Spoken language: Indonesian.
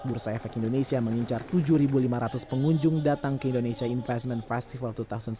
bursa efek indonesia mengincar tujuh lima ratus pengunjung datang ke indonesia investment festival dua ribu sembilan belas